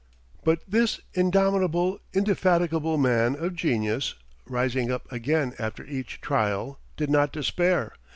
But this indomitable, indefatigable man of genius, rising up again after each trial, did not despair.